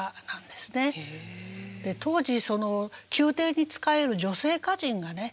当時宮廷に仕える女性歌人がね